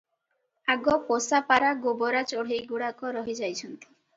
ଆଗ ପୋଷା ପାରା ଗୋବରା ଚଢେଇ- ଗୁଡାକ ରହି ଯାଇଛନ୍ତି ।